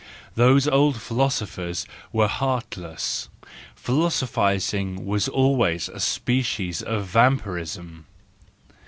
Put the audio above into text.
Those old philosophers were heartless: philosophising was always a species of vampirism.